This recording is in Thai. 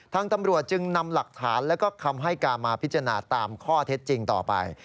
ทางตำรวจจึงนำหลักฐานแล้วก็คำให้การมาพิจารณาตามข้อเท็จจริงต่อไป